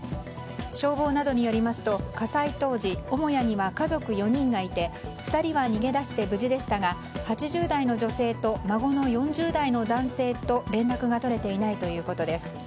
消防などによりますと火災当時、母屋には家族４人がいて２人は逃げ出して無事でしたが８０代の女性と孫の４０代の男性と連絡が取れていないということです。